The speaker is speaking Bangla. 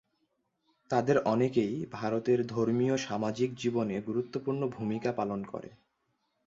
তাদের অনেকেই ভারতের ধর্মীয়-সামাজিক জীবনে গুরুত্বপূর্ণ ভূমিকা পালন করে।